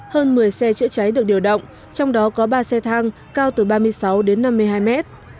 hơn một mươi xe chữa cháy được điều động trong đó có ba xe thang cao từ ba mươi sáu đến năm mươi hai mét